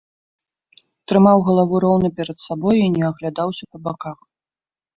Трымаў галаву роўна перад сабой і не аглядаўся па баках.